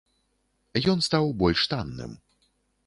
Ён стаў больш танным.